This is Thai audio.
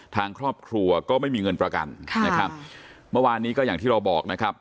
ทางครอบครัวก็ไม่มีเงินประกันค่ะนะครับเมื่อวานนี้ก็อย่างที่เราบอกนะครับ